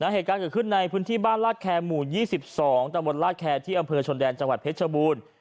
เหตุการณ์เกิดขึ้นในพื้นที่บ้านลาดแคร์หมู่๒๒ตะบนลาดแคร์ที่อำเภอชนแดนจังหวัดเพชรบูรณ์